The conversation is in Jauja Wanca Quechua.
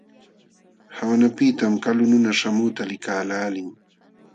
Qawanapiqtam kalu nuna śhamuqta likaqlaalin.